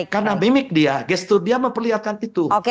karena gimmick dia gestur dia memperlihatkan itu